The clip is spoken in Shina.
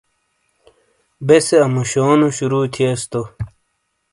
بے سے اموشونو شروع تھیس تو